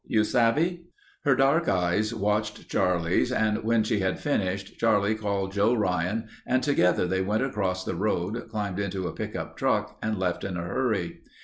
"You savvy?" Her dark eyes watched Charlie's and when she had finished Charlie called Joe Ryan and together they went across the road, climbed into a pickup truck and left in a hurry.